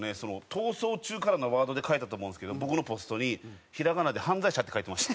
『逃走中』からのワードで書いたと思うんですけど僕のポストにひらがなで「はんざいしゃ」って書いてました。